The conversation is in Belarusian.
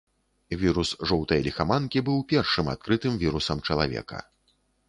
Вірус жоўтай ліхаманкі быў першым адкрытым вірусам чалавека.